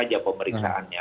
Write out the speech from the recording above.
ini aja pemeriksaannya